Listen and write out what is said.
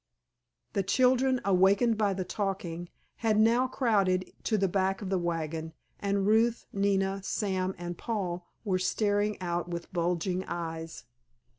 The children, awakened by the talking, had now crowded to the back of the wagon, and Ruth, Nina, Sam, and Paul were staring out with bulging eyes.